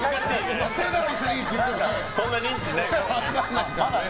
そんな認知ないからね。